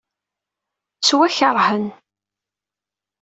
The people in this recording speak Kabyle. Ttwakeṛhen.